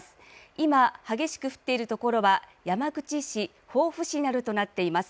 今、激しく降っている所は山口市、防府市などとなっています。